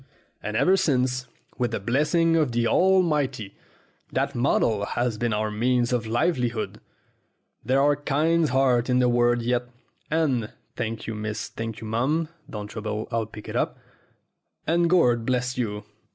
And ever since, with the blessing of the Almighty, that model has been our means of livelihood. There are kind hearts in the world yet, and thank you, miss ; thank you, mum (don't trouble I'll pick it up) and Gord bless you!"